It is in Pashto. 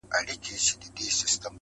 دا دی لمبهوړمه له اوره سره مينه کوم~